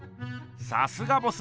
さすがボス！